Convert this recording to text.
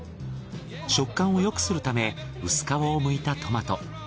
食感をよくするため薄皮をむいたトマト